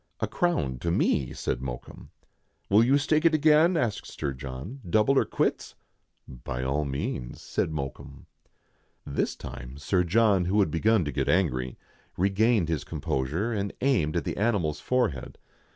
"A crown to me," said Mokoum, "Will you stake it again?" asked Sir John, "double or quits." " By all means," said Mokoum. This time Sir John, who had begun to get angry, re gained his composure, and aimed at the animal's forehead.